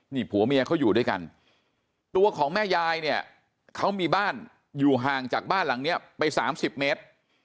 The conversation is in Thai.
นี่ผัวเมียเขาอยู่ด้วยกันตัวของแม่ยายเนี่ยเขามีบ้านอยู่ห่างจากบ้านหลังเนี้ยไป๓๐เมตร